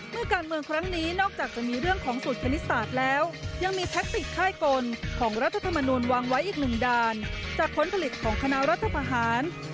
เมื่อการเมืองครั้งนี้นอกจากจะมีเรื่องของสูตรคณิตศาสตร์แล้วยังมีแท็กติกค่ายกลของรัฐธรรมนูลวางไว้อีกหนึ่งด่านจากผลผลิตของคณะรัฐประหาร